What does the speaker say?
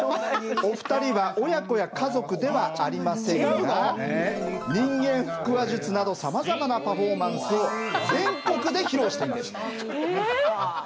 お二人は親子や家族ではありませんが人間腹話術などさまざまなパフォーマンスを全国で披露しています。